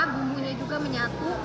bumbunya juga menyatu